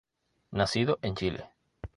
Nacido en Chile.